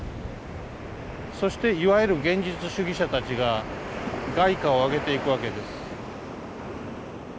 そしていわゆる現実主義者たちが凱歌を上げていくわけです。